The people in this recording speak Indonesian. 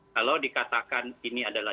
kalau dikatakan ini adalah